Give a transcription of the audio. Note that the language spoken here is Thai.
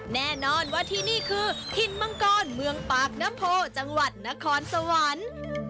แน่นอนว่าที่นี่คือถิ่นมังกรเมืองปากน้ำโพจังหวัดนครสวรรค์